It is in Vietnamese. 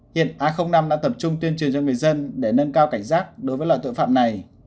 hiện a năm đã tập trung tuyên truyền cho người dân để nâng cao cảnh giác đối với loại tội phạm này